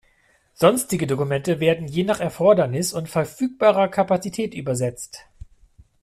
Sonstige Dokumente werden je nach Erfordernis und verfügbarer Kapazität übersetzt.